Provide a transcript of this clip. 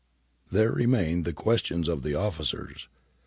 There remained the question of the officers.